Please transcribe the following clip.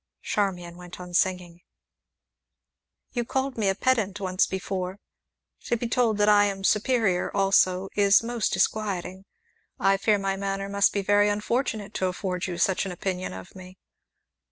Charmian went on singing. "You called me a 'pedant' once before; to be told that I am superior, also, is most disquieting. I fear my manner must be very unfortunate to afford you such an opinion of me."